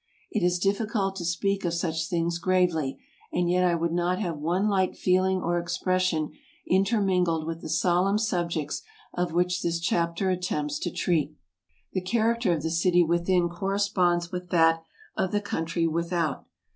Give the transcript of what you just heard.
It is difficult to speak of such things gravely, and yet I would not have one light feeling or expression intermingled with the solemn subjects of which this chapter attempts to treat. The character of the city within corresponds with that of the country without.